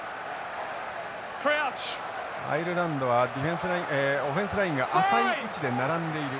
アイルランドはオフェンスラインが浅い位置で並んでいる。